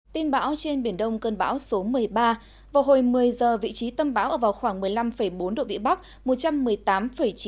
tin bão trên biển đông cơn bão số một mươi ba vào hồi một mươi giờ vị trí tâm bão ở vào khoảng một mươi năm bốn độ vĩ bắc chín độ